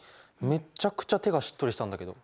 めっちゃくちゃ手がしっとりしたんだけど。